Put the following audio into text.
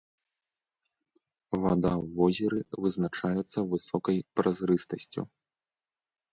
Вада ў возеры вызначаецца высокай празрыстасцю.